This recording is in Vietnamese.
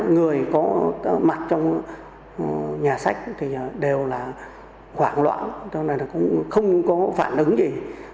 ba người có mặt trong nhà sách đều là khoảng loạn không có phản ứng gì